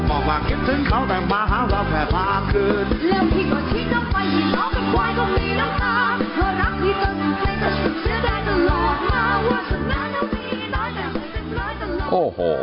โอ้โห